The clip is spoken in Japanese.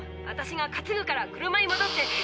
私がかつぐから車にもどって。